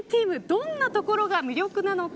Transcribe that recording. どんなところが魅力なのか。